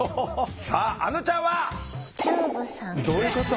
さああのちゃんは？どういうこと？